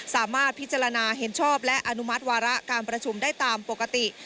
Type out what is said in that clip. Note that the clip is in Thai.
สามารถพิจารณาเห็นชอบและอนุมัติวาระการประชุมได้ตามปกติ